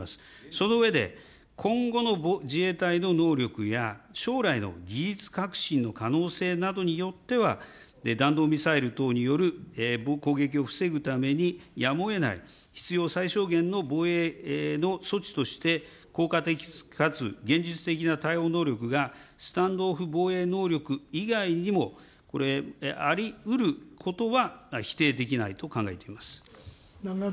その上で、今後の自衛隊の能力や将来の技術革新の可能性などによっては、弾道ミサイル等による攻撃を防ぐためにやむをえない必要最小限の防衛の措置として、効果的かつ現実的な対応能力がスタンド・オフ防衛能力以外にもありうることは否定できないと考えています。